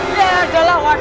iya jalan waduh